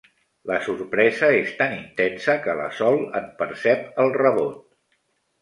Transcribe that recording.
La sorpresa és tan intensa que la Sol en percep el rebot.